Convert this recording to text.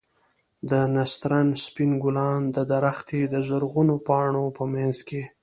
د نسترن سپين ګلان د درختې د زرغونو پاڼو په منځ کښې.